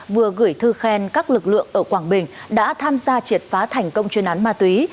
vừa gửi thư khen các lực lượng ở quảng bình đã tham gia triệt phá thành công chuyên án ma túy